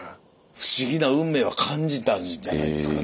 不思議な運命は感じたんじゃないですかね